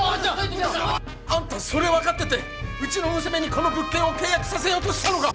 あんたそれ分かっててうちの娘にこの物件を契約させようとしたのか！